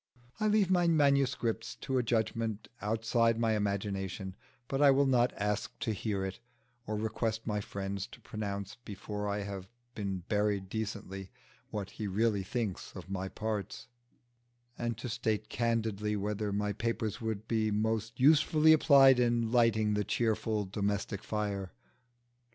I leave my manuscripts to a judgment outside my imagination, but I will not ask to hear it, or request my friend to pronounce, before I have been buried decently, what he really thinks of my parts, and to state candidly whether my papers would be most usefully applied in lighting the cheerful domestic fire.